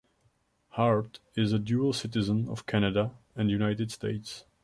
Hart is a dual citizen of Canada and the United States.